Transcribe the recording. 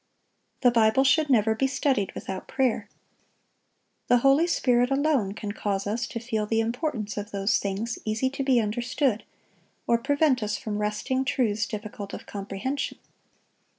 The Bible should never be studied without prayer. The Holy Spirit alone can cause us to feel the importance of those things easy to be understood, or prevent us from wresting truths difficult of comprehension.